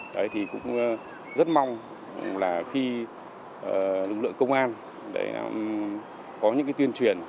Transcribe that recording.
đấy thì cũng rất mong là khi lực lượng công an có những cái tuyên truyền